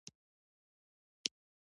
پښتو د یوه با عزته فرهنګ یوه برخه ده.